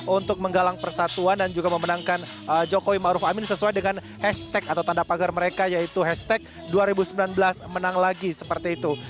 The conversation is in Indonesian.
untuk menggalang persatuan dan juga memenangkan jokowi ⁇ maruf ⁇ amin sesuai dengan hashtag atau tanda pagar mereka yaitu hashtag dua ribu sembilan belas menang lagi seperti itu